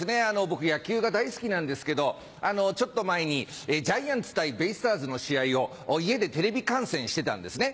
僕野球が大好きなんですけどちょっと前にジャイアンツ対ベイスターズの試合を家でテレビ観戦してたんですね。